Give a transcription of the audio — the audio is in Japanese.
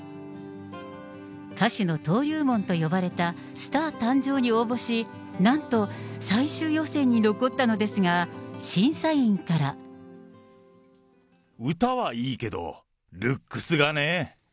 歌手の登竜門と呼ばれたスター誕生に応募し、なんと最終予選に残ったのですが、歌はいいけど、ルックスがね。